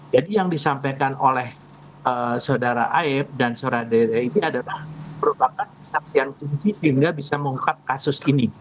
jadi yang disampaikan oleh saudara aep dan saudara dpr ini adalah merupakan kesaksian kunci sehingga bisa mengungkap kasus ini